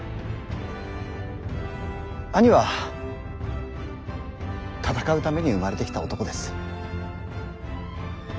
兄は戦うために生まれてきた男です。